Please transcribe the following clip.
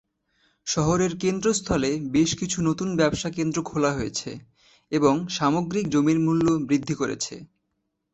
শহরের কেন্দ্রস্থলে বেশ কিছু নতুন ব্যবসা কেন্দ্র খোলা হয়েছে এবং সামগ্রিক জমির মূল্য বৃদ্ধি করেছে।